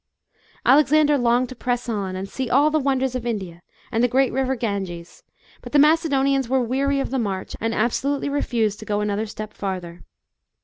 Alexander longed to press on, and se& all the wonders of India and the great river Ganges, but the Macedonians were weary of the mp.rch and ab solutely refused to go another step farther.